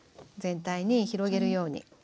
全体に広げるように。